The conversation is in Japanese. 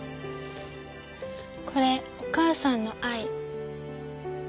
これお母さんの愛。